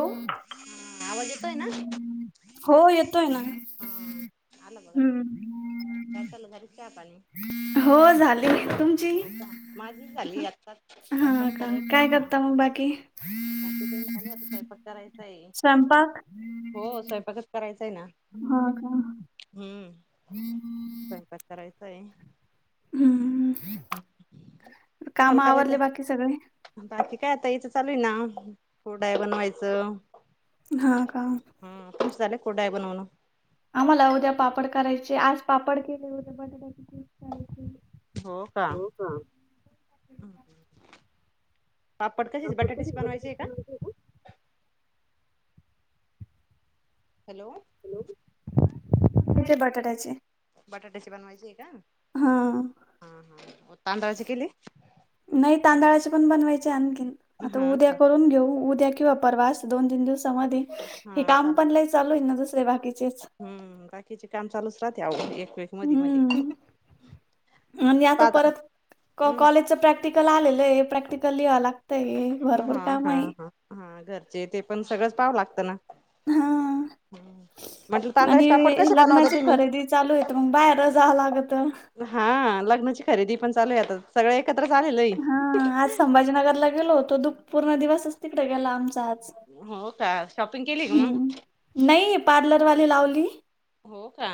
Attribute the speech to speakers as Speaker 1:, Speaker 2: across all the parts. Speaker 1: ओ.
Speaker 2: हा आवाज येतोय ना? [inaudible]
Speaker 1: हो येतोय ना.
Speaker 2: आलात बघा आता.
Speaker 1: हम्म
Speaker 2: [inaudible] काय चाललं झालं चहा पाणी?
Speaker 1: हो झाले, तुम
Speaker 2: हो का माझी झाली आत्ताच. स्वयंपाक
Speaker 1: ह का
Speaker 2: करायचा
Speaker 1: काय
Speaker 2: आता.
Speaker 1: करता मग बाकी.
Speaker 2: बाकी तेन चालू आहे आता स्वयंपाक करायचाय
Speaker 1: स्वयंपाक
Speaker 2: हो स्वयंपाकच. करायचाय ना
Speaker 1: हा का
Speaker 2: हम्म स्वयंपाक करायचाय.
Speaker 1: हम्म.
Speaker 2: हं
Speaker 1: काम
Speaker 2: तुम्हाला करायचय.
Speaker 1: आवरले बाकी सगळे?
Speaker 2: बाकी काय आता, हिच चालू आहे ना कुरडया बनवायच.
Speaker 1: हा का?
Speaker 2: झालं का कुरडया बनवून नं?
Speaker 1: आम्हाला उद्या पापड करायचे. आज पापड केले उद्या बटाट्याचे चिप्स करायचे.
Speaker 2: हो का? पापड कशाचे बटाट्याचे बनवायचे का? हॅलो!
Speaker 1: हॅलो? बटाट्याचे.
Speaker 2: बटाट्याची बनवायची आहे का?
Speaker 1: हा
Speaker 2: हा हा तांदळाचे केली?
Speaker 1: नाही तांदळाचे पण बनवायचे आणखीन आता
Speaker 2: हा
Speaker 1: उद्या
Speaker 2: का?
Speaker 1: करून घेऊ उद्या किंवा. परवा स दोन तीन दिवसामध्ये हे
Speaker 2: हा चालेल.
Speaker 1: काम पण चालू आहे ना दुसरे बाकी़ज
Speaker 2: हम्म बाकीचे काम चालूच राहते एक. मधी मधी
Speaker 1: हम्म आणि आता
Speaker 2: पाहता
Speaker 1: परत
Speaker 2: हम्म
Speaker 1: कॉलेजचं प्रॅक्टिक प्रॅक्टिकल आलेलं आहे प्रॅक्टिकल लिव्हा लागतंयं.
Speaker 2: हा हा हा हा घरचे ते पण सगळंच पावं लागतं ना.
Speaker 1: हा
Speaker 2: ह म्हटलं
Speaker 1: आणि
Speaker 2: तांदळाचे पापड कसे बनवता
Speaker 1: लग्नाची
Speaker 2: तुम्ही?
Speaker 1: खरेदी चालू येत मग बाहेर जावं लागत.
Speaker 2: हा लग्नाची खरेदी पण चालू आहे, आ सगळं एकत्र आलेलं आहे.
Speaker 1: हा आज संभाजीनगरला गेलो होतो पूर्ण दिवसचं तिकडे गेला आमचा आज.
Speaker 2: हो का शॉपिंग केली मग?
Speaker 1: हम्म नाही पार्लर वाली लावली.
Speaker 2: हो का?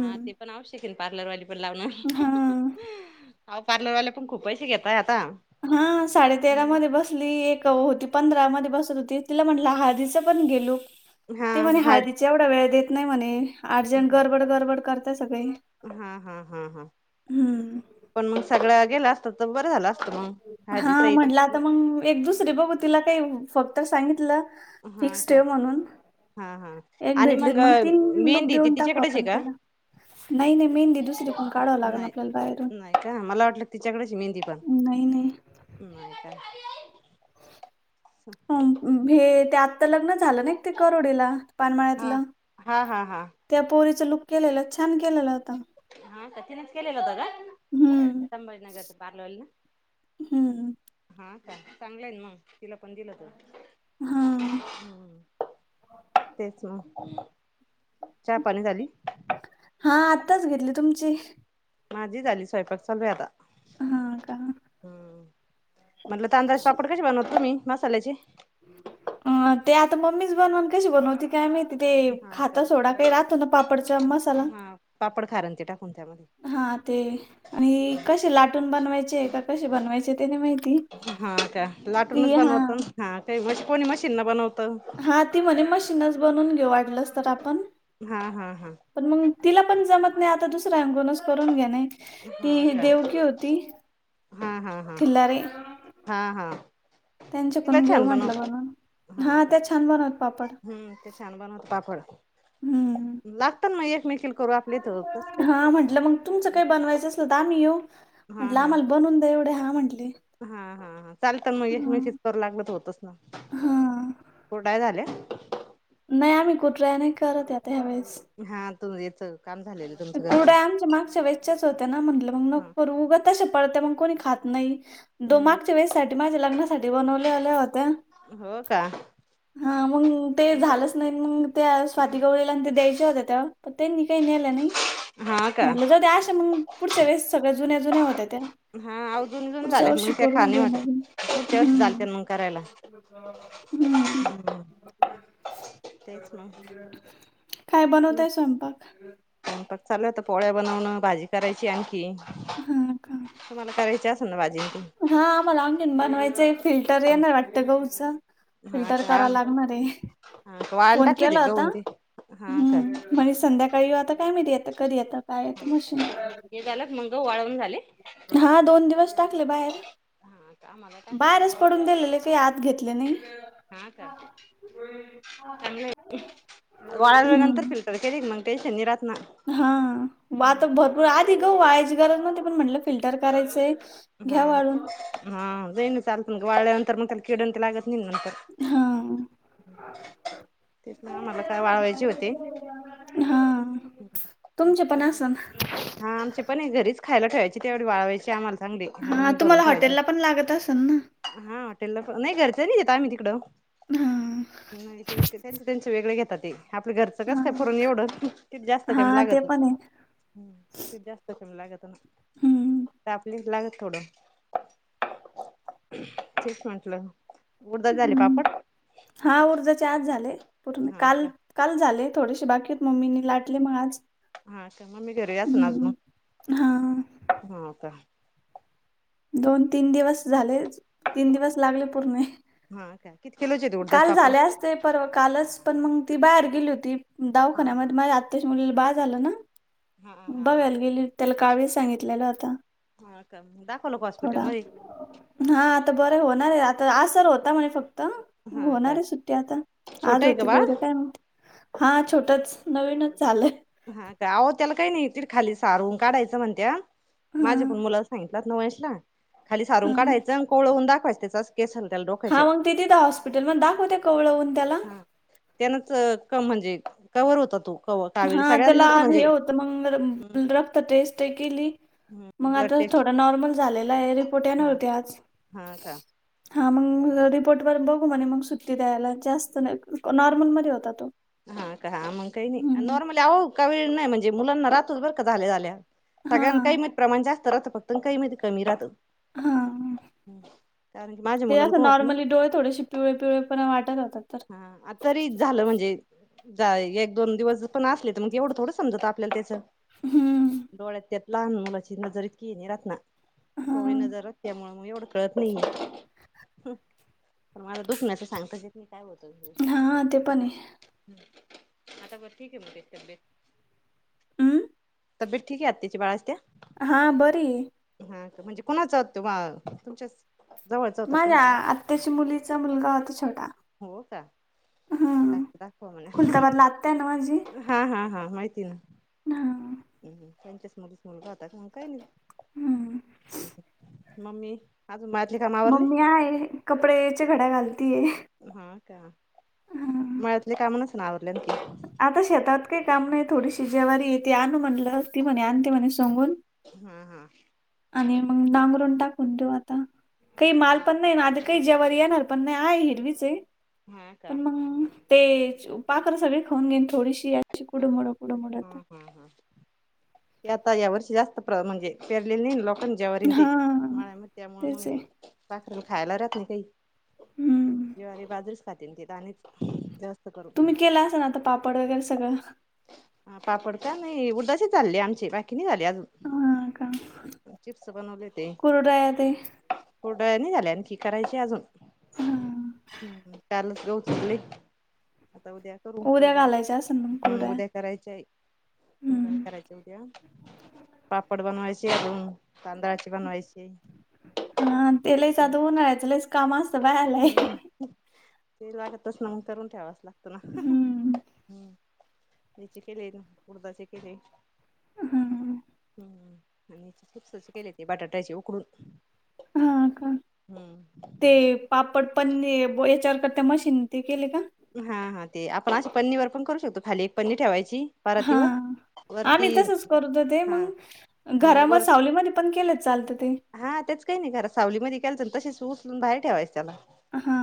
Speaker 2: हा ते पण आवश्यक पार्लरवाली पण लावन.
Speaker 1: हा
Speaker 2: आवं पार्लरवाले पण खूप पैसे घेतायं आता.
Speaker 1: हा साडे तेरामध्ये बसली एक होती. पंधरा मध्ये बसत होती तिला मला हळदीचे पण गेलो
Speaker 2: हा
Speaker 1: ते म्हणे
Speaker 2: हा हा
Speaker 1: हळदीचं तेेवढा वेळ देत नाही म्हणे. अर्जंट गडबड गडबड करत सगळे
Speaker 2: हा हा हा हा
Speaker 1: हम्म
Speaker 2: पण मग सगळं गेला असत तर बरं झालं. असतं मग
Speaker 1: हा
Speaker 2: हळदी सहित
Speaker 1: म्हटलं आता मग एक दुसरी बघू तिला काही फक्त सांगितलं.
Speaker 2: हा
Speaker 1: फिक्स
Speaker 2: का
Speaker 1: ठेव म्हणून.
Speaker 2: हा हा
Speaker 1: एक
Speaker 2: आणि
Speaker 1: भेटलेत मग तीन लुक
Speaker 2: मेहंदी ती
Speaker 1: देऊन टाकू
Speaker 2: तिच्याकडेच आहे
Speaker 1: आपण
Speaker 2: का
Speaker 1: तिला. नाही नाही मेहंदी दुसरी कुन काढावं लागलं
Speaker 2: नाही
Speaker 1: आपल्याला बाहेरून.
Speaker 2: नाही मला वाटलं तिच्याकडे मेहंदी.
Speaker 1: नाही नाही.
Speaker 2: तो गेला की बाहेर ये
Speaker 1: हो हे ते आता लग्न झालं ना ते करोडीला
Speaker 2: हा
Speaker 1: पानमाळ्यातलं?
Speaker 2: हा हा हा
Speaker 1: त्या पोरीचं लुक केलेलं छान केलेलं होत.
Speaker 2: हा का तिनेचं केलं होतं का?
Speaker 1: हम्म
Speaker 2: संभजीनगर ची पार्लर वाली ना?
Speaker 1: हम्म,
Speaker 2: हा चांगलंय मगं तिला पण दिलं होतं.
Speaker 1: हा.
Speaker 2: हम्म, तेच म चहा पाणी झाली?
Speaker 1: हा आत्ताच घेतली, तुमची?
Speaker 2: माझी झाली, स्वयंपाक चालू आहे आता,
Speaker 1: हा का
Speaker 2: ह्म्म. म्हणलं तांदळाचे
Speaker 1: स-
Speaker 2: पापड कशे बनवता तुम्ही मसाल्याचे?
Speaker 1: अ ते आता मम्मीच बनवणं, कशी बनवती? काय माहिती ते
Speaker 2: हा
Speaker 1: खात
Speaker 2: का
Speaker 1: सोडा काही राहतो ना पापडचा मसाला
Speaker 2: हा पापड खारंते टाकून त्यामध्ये
Speaker 1: हा ते आणि हे कशे लाटून बनवायचे का कशे बनवायचे ते नाही माहीत.
Speaker 2: हा का, लाटूनच बनवतो ना, हा काही म कोणी मशीननं बनवतं.
Speaker 1: हा ती म्हणे मशीनचं बनून घेऊ वाटलंस तर आपण.
Speaker 2: हा, हा, हा.
Speaker 1: पण मंग तिला पण जमत नाही आता दुसऱ्याकुनच् करून घेणे
Speaker 2: हा
Speaker 1: ती
Speaker 2: का
Speaker 1: देवकी होती,
Speaker 2: हा हा हा
Speaker 1: ठिल्लारी
Speaker 2: हा- हा. तिला
Speaker 1: त्यांच्याकुन घेऊ
Speaker 2: छान
Speaker 1: म्हंटलं
Speaker 2: बनवत
Speaker 1: बनुन, हा त्या छान बनवता पापड.
Speaker 2: त्या छान बनवता पापड.
Speaker 1: हम्म,
Speaker 2: मी लागते ना मं एकमेकीला करु आपल्या इथं तस काही नाही.
Speaker 1: म्हणलं मंग तुमचं काही बनवायचं असलं, त आमी येऊ
Speaker 2: हा
Speaker 1: म्हटलं
Speaker 2: हा
Speaker 1: आम्हाला बनवून द्या एवढं, हा म्हटले.
Speaker 2: हा, हा, हा चालतं मं
Speaker 1: हा
Speaker 2: एकमेकीचं करू लागलं त होतच ना,
Speaker 1: हा
Speaker 2: कुरडया झाल्या?
Speaker 1: नाई आमी कुड्रराया नाही करत ये आता ह्या वेेळेस.
Speaker 2: हा तुम याच काम झालेलं तुमचं घरचं
Speaker 1: कुर्डया आमच्या मागच्या वेळेस् च्याच होत्या ना म्हटलं मंग
Speaker 2: हा
Speaker 1: नको करु, ऊगं तश्या पडता मग कोणी खात नाही, दो
Speaker 2: हम्म
Speaker 1: मागच्या वेळेस साठी, माझ्या लग्नासाठी बनवल्याल्या होत्या.
Speaker 2: हो का
Speaker 1: हा मंग ते झालंच नाही, मंग त्या स्वाती गवळी त्यांच्या द्यायच्या होत्या त्या, पण त्यांनी काही नेल्या नही,
Speaker 2: हा का
Speaker 1: म्हटलं जाऊद्या अश्या मंग पुढच्या वेळेस सगळं जुन्या- जुन्या होतायेत.
Speaker 2: हा अव जूनजून झाल्या त मग त्या
Speaker 1: करून
Speaker 2: खा नही
Speaker 1: घेऊ
Speaker 2: वाटत,
Speaker 1: नवीन
Speaker 2: पुढच्या वर्षी
Speaker 1: हम्म
Speaker 2: चालतीन म करायला.
Speaker 1: हम्म,
Speaker 2: तेच मग
Speaker 1: काय बनवताय स्वयंपाक?
Speaker 2: स्वयंपाक चालूय आता पोळ्या बनवणं भाजी करायची आणखी,
Speaker 1: हा का
Speaker 2: तुम्हाला करायची अस लं ना भाजी ते?
Speaker 1: हा आम्हाला आणखीण बनवायचंय, फिल्टर येनार ये वाटतं गहुचं.
Speaker 2: हा
Speaker 1: फिल्टर
Speaker 2: का
Speaker 1: करावं
Speaker 2: हा
Speaker 1: लागणार ये,
Speaker 2: का वाळायला
Speaker 1: फोन
Speaker 2: टाकले ते
Speaker 1: केला होता
Speaker 2: गहून ते हा का
Speaker 1: हम्म. म्हणे संध्याकाळी येऊ, आता काय माहित कधी येतं काय येतं मशीन.
Speaker 2: हे झालं का मंग गऊ वाळवून झाले?
Speaker 1: हा दोन दिवस टाकले बाहेर.
Speaker 2: हा का आम्हाला टाकायचे
Speaker 1: बाहेरच
Speaker 2: गहू
Speaker 1: पडून
Speaker 2: वाळायला
Speaker 1: दिलेले काही आत घेतलेले नही.
Speaker 2: हा का? कमी होतील, वाळल्या नंतर
Speaker 1: हम्म
Speaker 2: फिल् टर केली ना मंग टेनशन नही राहात ना.
Speaker 1: हा मं आता बघु आधी गहु वाळायची गरज नव्हती, पण म्हटलं फिल्टर करायचं ते घ्या
Speaker 2: हा
Speaker 1: वाळुन ते
Speaker 2: हा नैन चालतन म ग व वाळल्यानंतर म त्याल किडंत लागत नई नंतर
Speaker 1: हा
Speaker 2: आम्हाला काय वाळवायचे होते
Speaker 1: हा
Speaker 2: आत
Speaker 1: च्यापण आसन
Speaker 2: हा आमचे पण हे घरीच खायला ठेवायचे तेवढी वाळवायची आम्हाला चांगली हा मंग भरून
Speaker 1: तुम्हाला
Speaker 2: ठेवायचे
Speaker 1: हॉटेलला पण लागत असन ना
Speaker 2: हा हॉटेलला प नाई घरचं नाई येत आम्ही तिकडं
Speaker 1: हा
Speaker 2: नाई ते विकते त्यांच त्यांचं वेगळे घेता ते आपलं घरचं कस
Speaker 1: हा
Speaker 2: काय पुरून एवढं तित जास्त टाईम
Speaker 1: हा ते
Speaker 2: लागतं
Speaker 1: पण आहे
Speaker 2: हम तीत जास्त कमी लागत ना
Speaker 1: हम्म
Speaker 2: फक्त आपलीच लागत थोडं तेच म्हंटलं उडदाच झाले
Speaker 1: हम्म
Speaker 2: पापड
Speaker 1: हा ऊळदाचे आज झाले पूर्ण
Speaker 2: हा
Speaker 1: काल.
Speaker 2: का
Speaker 1: काल झाले थोडेशी बाकीत मम्मीनी लाटले मग आज.
Speaker 2: हा का मग मी घरी असणार ना
Speaker 1: हम्म. हा
Speaker 2: हो का.
Speaker 1: दोन तीन दिवस झाले तीन दिवस लागले पूर्ण हे.
Speaker 2: हा काय. किति क्यीलो चे देवु
Speaker 1: काल झाले असते परवा कालच पण मग ती बाहेर गेली होती
Speaker 2: हा हा
Speaker 1: दावाखान्यामध्ये माझ्या आत्या. आत्याच्या मुलीला बाळ झालं ना
Speaker 2: हा हा हा.
Speaker 1: बघाला गेली त्याला काविळ सांगितलेलं होतं.
Speaker 2: हा हा दाखवलं का हॉस्पिटलमधी.
Speaker 1: हा आता बरं होणार आहे आता आसर होता म्हणे फक्त.
Speaker 2: हा
Speaker 1: होणार
Speaker 2: का
Speaker 1: आहे सुट्टी आता आज
Speaker 2: छोटं आहे
Speaker 1: होती का
Speaker 2: बाळ
Speaker 1: उद्या काय माहिती. हा छोटंच नवीनच झाचालंय.
Speaker 2: हा काय अहो त्याला काही नाही तिकडं खाली सारून काढायचं म्हणत्या
Speaker 1: हा
Speaker 2: माझे पण मुलंच. खाली सारून
Speaker 1: हा
Speaker 2: काढायं कोवळ ऊन दाखवायच त्याचा केसांना डोक
Speaker 1: हा मग तिथं हॉस्पिटल मग दाखवते कोवळ ऊन त्याला.
Speaker 2: त्यांनाच क म्हणजे कवर होता तो कवर.
Speaker 1: हा त्याला हे होत मग रक्त टेस्ट केली. मग
Speaker 2: ब्लड
Speaker 1: आता
Speaker 2: टेस्ट
Speaker 1: थोडा नॉर्मल झालेला आहे रिपोर्ट येणार
Speaker 2: हा
Speaker 1: होते आज.
Speaker 2: हा का
Speaker 1: हा मग रिपोर्टवर बघू म्हणे मग सुट्टी द्यायला जास्त नॉर्मलमध्ये होता तो.
Speaker 2: हा का हा मग काही नाही
Speaker 1: हं.
Speaker 2: नॉर्मल आहे काविळ नाही म्हणजे मुलांना राहतच बर का झाल्या झाल्या. सगळ्याण काही
Speaker 1: हां,
Speaker 2: मध्ये प्रमाण जास्त राहतं फक्त काही मध्ये कमी राहतं.
Speaker 1: हां.
Speaker 2: कारण की माझ्या
Speaker 1: ते
Speaker 2: मुलाला
Speaker 1: असं
Speaker 2: पण होत. ना
Speaker 1: नॉर्मली डोळे थोडेशी. पिवळे पिवळे पण वाटत होतात तर.
Speaker 2: ह तरी झालं म्हणजे. जाय एक दोन दिवस पण असले तर मग एवढं थोडं समजत आपल्याला त्याचं.
Speaker 1: हं.
Speaker 2: डोळ्यात त्यात लहान मुलाची नजर इतकी ये राहात ना. कोवळी
Speaker 1: हां,
Speaker 2: नजर रक्ता त्यामुळं. म एवढे कळत नाही पण मला दुख नाही सांगताच येत. नाही काय होत होऊ शकतो
Speaker 1: हां. ते
Speaker 2: सागा
Speaker 1: पण आहे.
Speaker 2: हम्म आता ब ठीक आहे तब्येत.
Speaker 1: उम्म.
Speaker 2: तब्येत ठीक आहे आत्याच्या बाळाची त्या.
Speaker 1: हा बरी हे.
Speaker 2: हा का, म्हणजे कुणाचा होत? तुमच्याच. जवळचा होता
Speaker 1: माझ्या
Speaker 2: कोणाचा बाळ
Speaker 1: आत्याच्या मुलीचा मुलगा होता छोटा.
Speaker 2: हो का? काय
Speaker 1: हं.
Speaker 2: ते दाखवा मला.
Speaker 1: खुलताबादला आत्या आहे ना माझी.
Speaker 2: हा हाहा माहिती हे.
Speaker 1: हा,
Speaker 2: [inaudible] त्यांच्याच मुलीचा मुलगा हो काय नाही.
Speaker 1: हं.
Speaker 2: [inaudible] मम्मी अजून माझी
Speaker 1: मम्मी आहे कपड्याचे घड्या घालतीये.
Speaker 2: हा का?
Speaker 1: हं.
Speaker 2: मळ्यातले काम नसतील आवरल्यातील.
Speaker 1: आता शेतात काही काम नाही थोडीशी ज्वारी आहे ती आणू म्हणलं ती म्हणे आणते म्हणे सांगून.
Speaker 2: हा हा.
Speaker 1: आणि मग नांगरून टाकून देऊ आता, काही माल
Speaker 2: हा
Speaker 1: पण नाही आधी काही जवारी येणार पण नाही आहे हिरवीच आहे,
Speaker 2: हा का
Speaker 1: पण मग ते पाखर सगळी खाऊन घेन थोडीशी याची कुडुमुडू.
Speaker 2: [inaudible] आता या वर्षी जास्त म्हणजे पेरलेली नाही लोकांनी जवारीन ते
Speaker 1: हा
Speaker 2: मळ्याम
Speaker 1: तेच आहे.
Speaker 2: मग पाखरान खायला राहत नाही.
Speaker 1: हं.
Speaker 2: [unintelligible] बाजरीच खाते ते दाणे [unintelligible]
Speaker 1: तुम्ही केला असलं आता पापड वगैरे सगळं?
Speaker 2: हा पापड का नाही उडदाचेच झाले आमचे बाकी नाई झाले अजून.
Speaker 1: हा का?
Speaker 2: चिप्स बनवले ते
Speaker 1: [inaudible] कुरडाया ते.
Speaker 2: कुरडया नाई झाली आमची करायची हाय अजून.
Speaker 1: हा.
Speaker 2: [unintelligible] [inaudible] आता उद्या करू
Speaker 1: उद्या
Speaker 2: कुरडया
Speaker 1: घालायच्या असेल मग
Speaker 2: हम
Speaker 1: कुरडया.
Speaker 2: उद्या कराय च, कुरडया
Speaker 1: हम्म.
Speaker 2: करायच्या उद्या. पापड बनवायचे अजून, तांदळाचे बनवायचे.
Speaker 1: हा ते लयच [unintelligible]
Speaker 2: हम्म
Speaker 1: उन्हाळ्याच लईच काम आसतय बाळाला.
Speaker 2: ते लागतच ना मग करून ठेवायचं लागतं
Speaker 1: हम्म.
Speaker 2: ना. तेचे केले उडदाचे केले
Speaker 1: हम्म.
Speaker 2: हम्म. आणि ते चिप्सच केले ते बटाट्याचे उकडून
Speaker 1: हा का?
Speaker 2: [inaudible]
Speaker 1: ते
Speaker 2: हम्म.
Speaker 1: पापड पन्ने ह्याच्यावर कर्त्या मशिन ते केले का?
Speaker 2: हा हा ते आपण असे पन्नी वर पण करू शकतो खाली एक पन्नी ठेवायची.
Speaker 1: हा
Speaker 2: परातीवर वरती
Speaker 1: आम्ही तसच करतो ते
Speaker 2: हा
Speaker 1: मंग
Speaker 2: आणि
Speaker 1: घरा म
Speaker 2: वर
Speaker 1: सावलीमध्ये पण केलं चालतं ते.
Speaker 2: हा तेच काही नाई घरा सावलीमध्ये केलाच तसे उचलून बाहेर ठेवायचं त्याला.
Speaker 1: हा.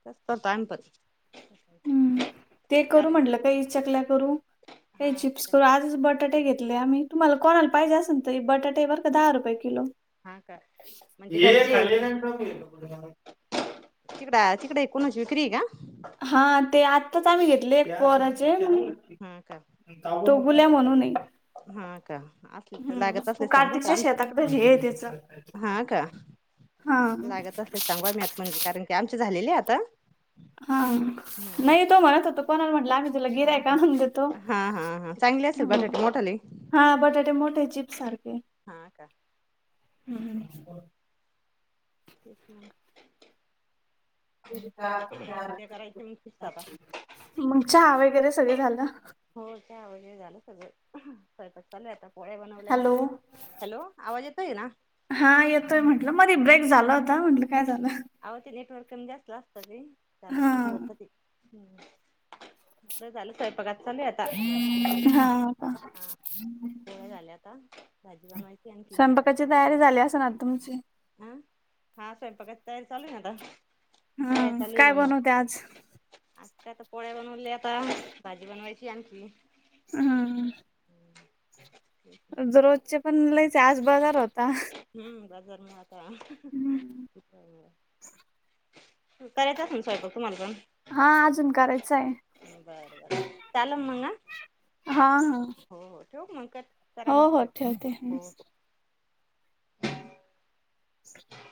Speaker 2: [unintelligible]
Speaker 1: हम्म ते करू
Speaker 2: कारण
Speaker 1: म्हटलं काही चकल्या करू, काही
Speaker 2: हा
Speaker 1: चिप्स करू आजच बटाटे घेतले आम्ही तुम्हाला कोणाला पाहिजे असेन तर हे बटाटे बर का दहा रूपये किलो.
Speaker 2: हा का
Speaker 1: [inaudible]
Speaker 2: म्हणजे
Speaker 1: ये
Speaker 2: घरचे
Speaker 1: खाली [unintelligible] ती.
Speaker 2: तिकड तिकडे कणाची विक्री आहे का?
Speaker 1: हा ते आत्ताच आम्ही घेतले एक पोराचे.
Speaker 2: हा का
Speaker 1: [inaudible] तो बुला म्हणूने.
Speaker 2: हा का? असल तर लागत असले सांग हा
Speaker 1: कार्तिकच्या
Speaker 2: आम
Speaker 1: शेताकडे हे त्याच
Speaker 2: [inaudible] हा का.
Speaker 1: हा
Speaker 2: लागत असले सांगा [unintelligible] म्हणजे कारण की आमची झालेलीय आता.
Speaker 1: हा,
Speaker 2: हम्म
Speaker 1: नाही तो म्हणत होता कोणाला म्हटला आम्ही तुला
Speaker 2: हा
Speaker 1: गिराइक
Speaker 2: हा
Speaker 1: आणून देतो.
Speaker 2: हा हा हा चांगली असेल
Speaker 1: ह
Speaker 2: बटाटे मोठाणे.
Speaker 1: हा बटाटे मोठे चिप्स सारखे
Speaker 2: हा का
Speaker 1: हम्म.
Speaker 2: ठीक मंग उद्या करायचे
Speaker 1: [unintelligible]
Speaker 2: मग फिक्स आता
Speaker 1: मग चहा वगैरे सगळ झालं.
Speaker 2: हो चहा वैगेरे झालं सगळ स्वयंपा चालू आहे आता पोळ्या बनवल्या
Speaker 1: हॅलो
Speaker 2: हॅलो आवाज येतोय ना?
Speaker 1: हा येतोय म्हंटलं मधी ब्रेक झाला होता म्हटलं काय झाल.
Speaker 2: आव ते नेटवर्क कमी जास्त असत ते झालं
Speaker 1: हा
Speaker 2: की मंग होत ते. सगळ झालं स्वयंपाक आत
Speaker 1: हाव का
Speaker 2: झालय आता भाजी बनवायची आणखी.
Speaker 1: स्वयंपाकाची तयारी झाली आसन आता तुमची?
Speaker 2: आ हा स्वयंपाकाची तयारी चालू हाय आता पोळ्या
Speaker 1: हम्म
Speaker 2: चालू आहे
Speaker 1: काय
Speaker 2: बनवू.
Speaker 1: बनवते आज
Speaker 2: आत्ता काय आता पोळ्या बनवल्या आता भाजी बनवायची आहे आणखी.
Speaker 1: हा रोजचे पण लयच आहे, आज बजार होता.
Speaker 2: हम्म बजार मंग आता [unintelligible] करायचा असल स्वयंपाक तुम्हाला पण?
Speaker 1: हा अजून करायचं आहे
Speaker 2: बर बर चालण मंग आ
Speaker 1: हा हा
Speaker 2: ठेऊ का मग कट करा
Speaker 1: हो
Speaker 2: मग
Speaker 1: हो
Speaker 2: तिकट
Speaker 1: ठेवते हम्म
Speaker 2: हो [inaudible]
Speaker 1: [inaudible]